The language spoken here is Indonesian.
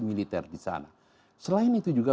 militer di sana selain itu juga